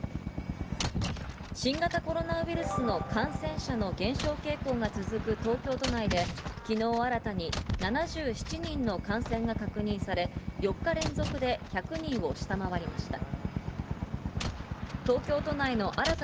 新型コロナウイルスの感染者の減少傾向が続く東京都内で昨日新たに７７人の感染が確認され、４日連続で１００人を下回りました。